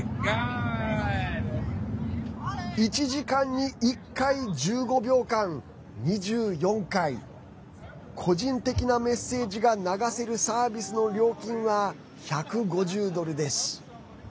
１時間に１回１５秒間、２４回個人的なメッセージが流せるサービスの料金は１５０ドルです。